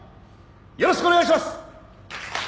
よろしくお願いします。